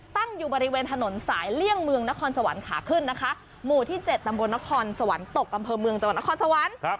ตั้งอยู่บริเวณถนนสายเลี่ยงเมืองนครสวรรค์ขาขึ้นนะคะหมู่ที่๗ตำบลนครสวรรค์ตกอำเภอเมืองจังหวัดนครสวรรค์